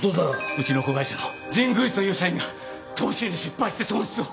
うちの子会社の神宮寺という社員が投資に失敗して損失を。